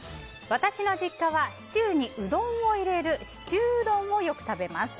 私の実家はシチューにうどんを入れるシチューうどんをよく食べます。